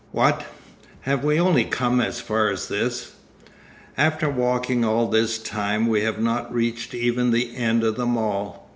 What, have we only come as far as this? After walking all this time we have not reached even the end of the mall.